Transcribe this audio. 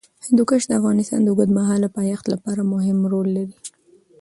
هندوکش د افغانستان د اوږدمهاله پایښت لپاره مهم رول لري.